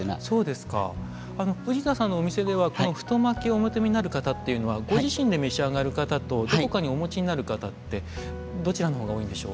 宇治田さんのお店ではこの太巻きをお求めになる方っていうのはご自身で召し上がる方とどこかにお持ちになる方ってどちらのほうが多いんでしょう？